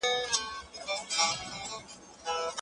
يوسف عليه السلام له وروڼو سره ډيره ښه رويه وکړل.